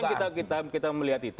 nah itu yang kita melihat itu